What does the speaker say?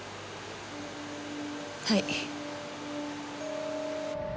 はい。